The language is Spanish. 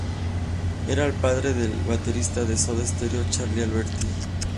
Era el padre del baterista de Soda Stereo, Charly Alberti.